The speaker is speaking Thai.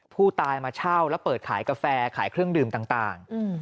ผู้ตายมาเช่าแล้วเปิดขายกาแฟขายเครื่องดื่มต่าง